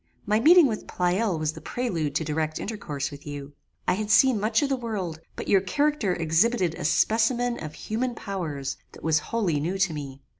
My meeting with Pleyel was the prelude to direct intercourse with you. I had seen much of the world, but your character exhibited a specimen of human powers that was wholly new to me.